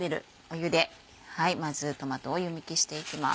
湯でまずトマトを湯むきしていきます。